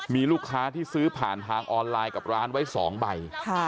มีลูกค้าที่ซื้อผ่านทางออนไลน์กับร้านไว้๒ใบ